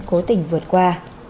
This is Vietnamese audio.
cố tỉnh vượt qua